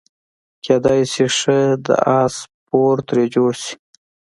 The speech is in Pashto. کیدای شي ښه د اس سپور ترې جوړ شي.